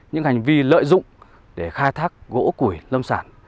những hành vi lợi dụng để khai thác gỗ củi lâm sản